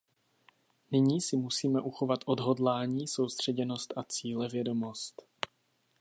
Nyní si musíme uchovat odhodlání, soustředěnost a cílevědomost.